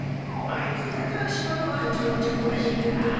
あいつやたら島のあっちゃこっちゃ詳しいから。